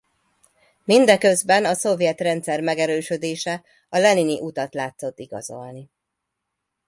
Mindeközben a szovjet rendszer megerősödése a lenini utat látszott igazolni.